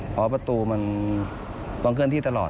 เพราะประตูมันต้องเคลื่อนที่ตลอด